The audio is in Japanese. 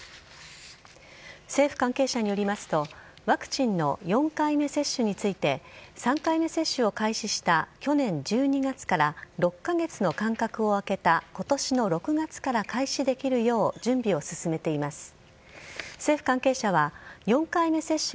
政府関係者によりますとワクチンの４回目接種について３回目接種を開始した去年１２月から６カ月の間隔を空けた今年の６月から開始できるよう準備を進めています。